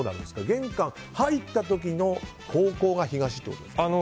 玄関入った時の方向が東ってことですか。